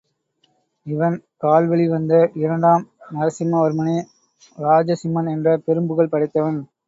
இவன் கால்வழி வந்த இரண்டாம் நரசிம்மவர்மனே, ராஜசிம்மன் என்ற பெரும் புகழ் படைத்தவன்.